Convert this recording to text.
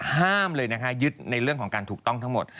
ห้ามเลยนะคะยึดในเรื่องของการถูกต้องทั้งหมด